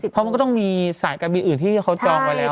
เพราะมันก็ต้องมีสายการบินอื่นที่เขาจองไว้แล้ว